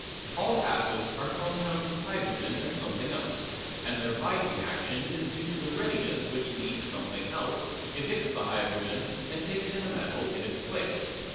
All acids are compounds of hydrogen and something else, and their biting action is due to the readiness with which the "something else" evicts the hydrogen and takes in a metal in its place.